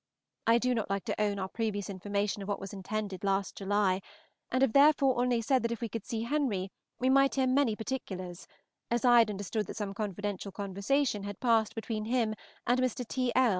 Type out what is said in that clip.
I did not like to own our previous information of what was intended last July, and have therefore only said that if we could see Henry we might hear many particulars, as I had understood that some confidential conversation had passed between him and Mr. T. L.